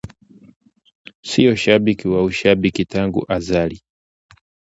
Si shabiki wa ushabaki tangu azali